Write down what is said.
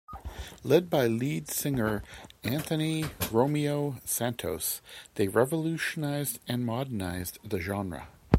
Led by lead singer Anthony "Romeo" Santos, they revolutionized and modernized the genre.